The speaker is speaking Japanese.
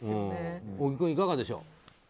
小木君、いかがでしょう。